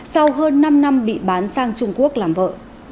sau hơn năm năm bị bán sang trung quốc làm vợ